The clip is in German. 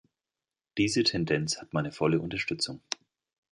Diese Tendenz hat meine volle Unterstützung.